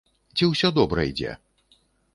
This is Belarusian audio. Ці ўсё добра ідзе?